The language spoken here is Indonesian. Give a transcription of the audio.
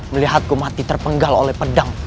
melihat ku mati terpenggal oleh pedang